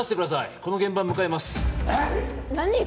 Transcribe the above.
この現場向かいますえっ！？